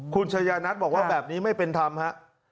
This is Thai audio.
คุณชายานัทบอกว่าแบบนี้ไม่เป็นธรรมฮะ